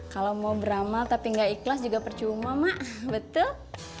kalau mau beramal tapi gak ikhlas juga percuma mak betul